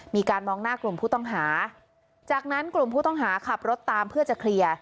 มีการมองหน้ากลุ่มผู้ต้องหาจากนั้นกลุ่มผู้ต้องหาขับรถตามเพื่อจะเคลียร์